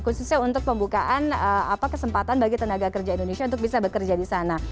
khususnya untuk pembukaan kesempatan bagi tenaga kerja indonesia untuk bisa bekerja di sana